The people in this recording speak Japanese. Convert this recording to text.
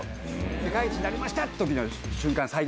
世界一になりましたというと再現？